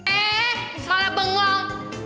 eh malah bengong